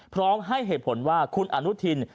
พร้อมให้เหตุผลว่าคุณอนุทิน